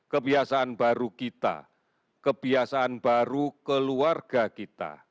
kebiasaan baru kita kebiasaan baru keluarga kita